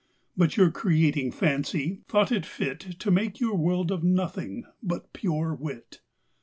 But your Creating Fancy, thought it fit To make your World of Nothing, but pure Wit.